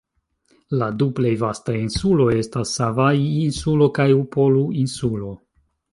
La du plej vastaj insuloj estas Savaii-Insulo kaj Upolu-Insulo.